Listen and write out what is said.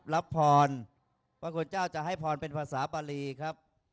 รับพรพระคุณเจ้าจะให้พรเป็นภาษาปารีครับ